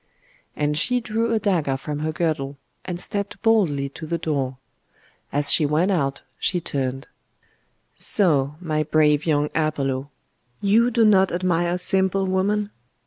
And she drew a dagger from her girdle, and stepped boldly to the door. As she went out she turned 'So! my brave young Apollo! You do not admire simple woman?